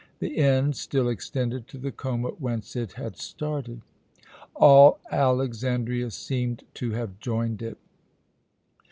The end still extended to the Choma, whence it had started. All Alexandria seemed to have joined it.